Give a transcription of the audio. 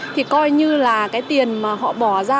thì coi như là cái tiền mà họ bỏ ra